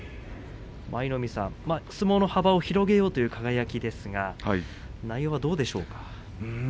舞の海さん、相撲の幅を広げようという輝ですが内容はどうでしょうか？